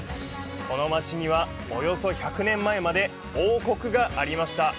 この街には、およそ１００年前まで王国がありました。